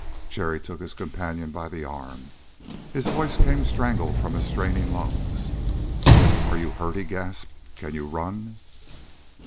Jerry took his companion by the arm. His voice came strangled from his straining lungs. "Are you hurt?" he gasped. "Can you run?"